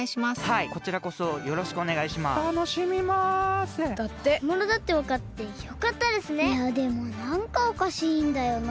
いやでもなんかおかしいんだよな。